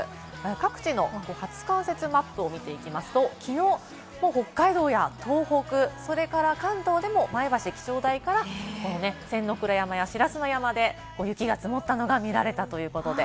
各地の初冠雪マップを見ていきますと、きのう北海道や東北、それから関東でも前橋気象台から仙ノ倉山や白砂山で雪が積もったのが見られたということです。